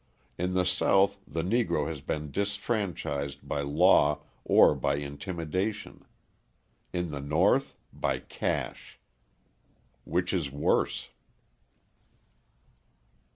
In the South the Negro has been disfranchised by law or by intimidation: in the North by cash. Which is worse?